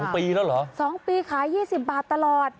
๒ปีแล้วเหรอ๒ปีขาย๒๐บาทตลอด